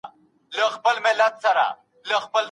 کورنی ژوند یوازي په مینه نه چلیږي.